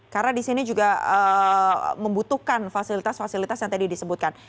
karena di sini juga membutuhkan fasilitas fasilitas yang tadi disebutkan